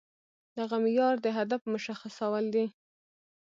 دغه معيار د هدف مشخصول دي.